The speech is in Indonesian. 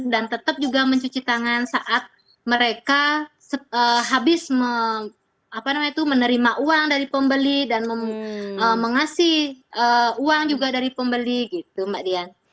dan tetap juga mencuci tangan saat mereka habis menerima uang dari pembeli dan mengasih uang juga dari pembeli gitu mbak dian